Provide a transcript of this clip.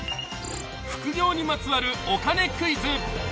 ［副業にまつわるお金クイズ］